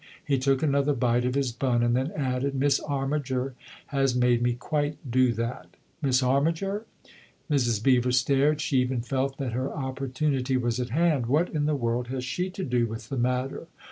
He took another bite of his bun and then added :" Miss Armiger has made me quite do that." " Miss Armiger ?" Mrs. Beever stared ; she even felt that her opportunity was at hand. " What in the world has she to do with the matter